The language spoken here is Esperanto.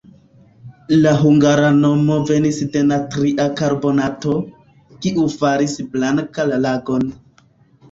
La hungara nomo venis de natria karbonato, kiu faris blanka la lagon.